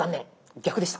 逆でした。